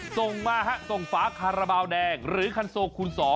ส่งมาฮะส่งฝาคาราบาลแดงหรือคันโซคูณ๒